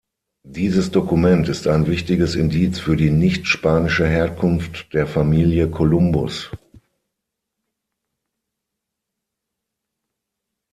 Dieses Dokument ist ein wichtiges Indiz für die nicht-spanische Herkunft der Familie Kolumbus.